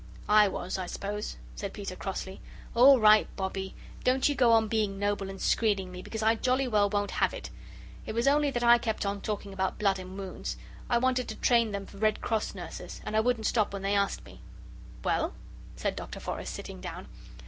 "I was, I suppose," said Peter, crossly. "All right, Bobbie, don't you go on being noble and screening me, because I jolly well won't have it. It was only that I kept on talking about blood and wounds. I wanted to train them for Red Cross Nurses. And I wouldn't stop when they asked me." "Well?" said Dr. Forrest, sitting down.